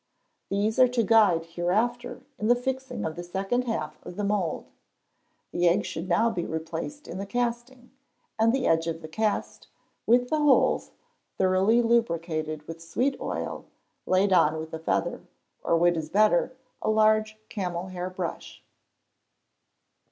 These are to guide hereafter in the fixing of the second half of the mould. The egg should now be replaced in the casting, and the edge of the cast, with the holes, thoroughly lubricated with sweet oil, laid on with a feather, or what is better, a large camel hair brush.